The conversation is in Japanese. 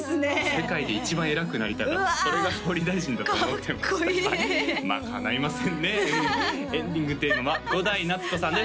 世界で一番偉くなりたかったそれが総理大臣だと思ってましたまあかないませんねエンディングテーマは伍代夏子さんです